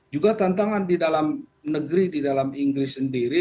juga tantangan di dalam negeri di dalam inggris sendiri